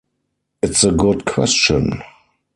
It's a good question.